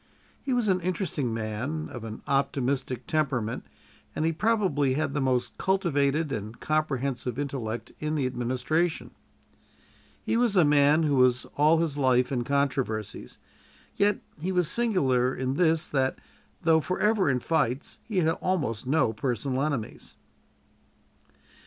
He was an interesting man, of an optimistic temperament, and he probably had the most cultivated and comprehensive intellect in the administration. He was a man who was all his life in controversies, yet he was singular in this, that, though forever in fights, he had almost no personal enemies.